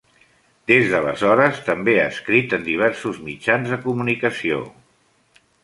Des d'aleshores també ha escrit en diversos mitjans de comunicació.